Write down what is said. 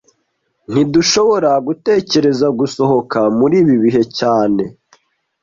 Ntidushobora gutekereza gusohoka muri ibi bihe cyane